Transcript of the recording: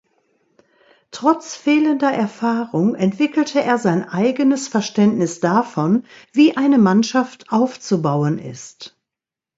Trotz fehlender Erfahrung entwickelte er sein eigenes Verständnis davon, wie eine Mannschaft aufzubauen ist.